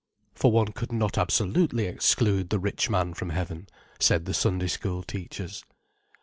For one could not absolutely exclude the rich man from heaven, said the Sunday school teachers.